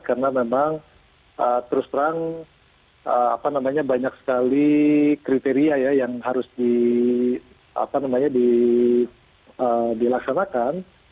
karena memang terus terang banyak sekali kriteria yang harus dilaksanakan